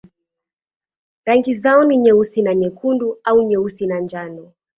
Rangi zao ni nyeusi na nyekundu au nyeusi na njano.